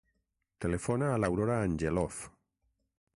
Telefona a l'Aurora Angelov.